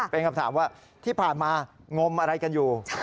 เป็นคำถามว่าที่ผ่านมางมอะไรกันอยู่